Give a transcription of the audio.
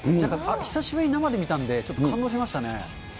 久しぶりに生で見たんで、ちょっと感動しましたね。